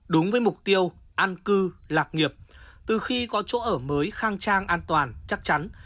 đúng với mục tiêu an cư lạc nghiệp từ khi có chỗ ở mới khang trang an toàn chắc chắn